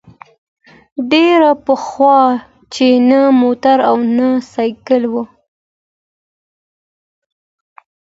ډېر پخوا چي نه موټر او نه سایکل وو